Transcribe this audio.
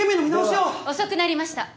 遅くなりました。